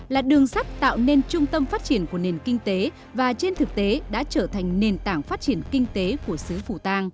là đường sắt tạo nên trung tâm phát triển của nền kinh tế và trên thực tế đã trở thành nền tảng phát triển kinh tế của xứ phủ tàng